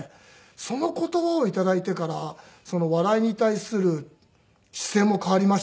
その言葉を頂いてから笑いに対する姿勢も変わりましたし。